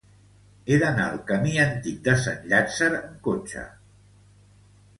He d'anar al camí Antic de Sant Llàtzer amb cotxe.